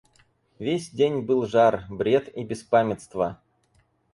Весь день был жар, бред и беспамятство.